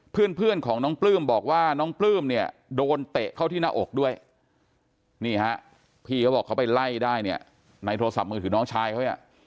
เพื่อนของน้องปลื้มบอกว่าน้องปลื้มเนี่ยโดนเตะเข้าที่หน้าอกด้วยนี่ฮะพี่เขาบอกเขาไปไล่ได้เนี่ยในโทรศัพท์มือถือน้องชายเขาเนี่ย